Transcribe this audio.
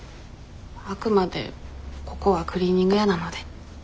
あくまでここはクリーニング屋なので。